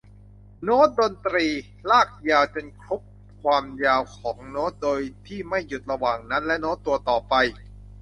โน้ตดนตรีลากยาวจนครบความยาวของโน้ต โดยที่ไม่หยุดระหว่างนั้นและโน้ตตัวต่อไป